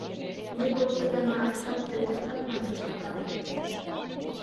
Мый кодшо гана ачат ден кочатлан шижтараш тӧчышым.